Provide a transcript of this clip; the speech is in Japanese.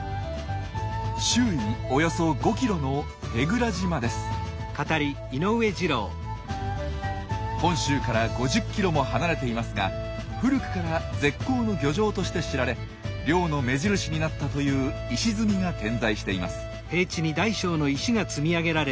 周囲およそ５キロの本州から５０キロも離れていますが古くから絶好の漁場として知られ漁の目印になったという石積みが点在しています。